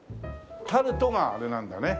タルトがあれなんだね。